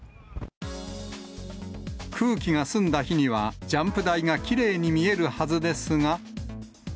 空気が澄んだ日には、ジャンプ台がきれいに見えるはずですが。